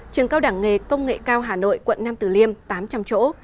trường cao đẳng nghề công nghệ cao hà nội quận nam tử liêm tám chỗ